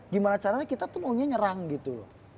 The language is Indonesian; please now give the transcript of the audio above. gimana caranya kita tuh maunya nyerang gitu